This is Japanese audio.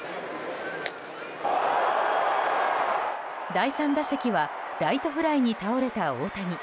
第３打席はライトフライに倒れた大谷。